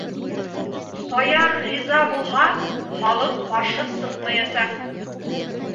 Саяр риза булһа, халыҡ ҡаршы сыҡмаясаҡ.